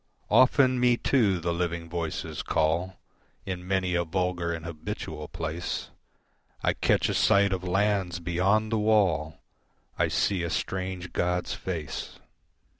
Often me too the Living voices call In many a vulgar and habitual place, I catch a sight of lands beyond the wall, I see a strange god's face.